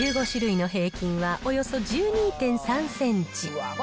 １５種類の平均は、およそ１２．３センチ。